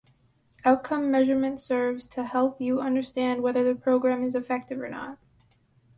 Outcome measurement serves to help you understand whether the program is effective or not.